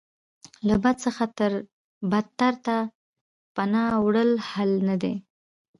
له بد څخه بدتر ته پناه وړل حل نه دی.